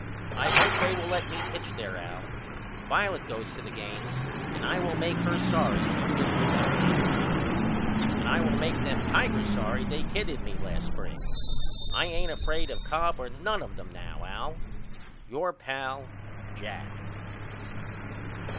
I hope they will let me pitch there Al. Violet goes to the games and I will make her sorry she give me that kind of treatment. And I will make them Tigers sorry they kidded me last spring. I ain't afraid of Cobb or none of them now, Al. Your pal, JACK.